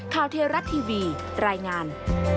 คาวเทราะห์ทีวีรายงาน